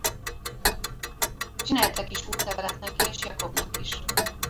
Csináltat is útlevelet neki és Jacob-nak is.